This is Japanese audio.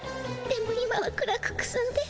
でも今は暗くくすんで。